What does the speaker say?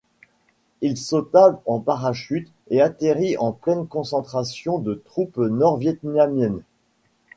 Il sauta en parachute et atterrit en pleine concentration de troupes nord-vietnamiennes.